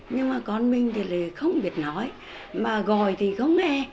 nhưng mà con mình thì không biết nói mà gọi thì không nghe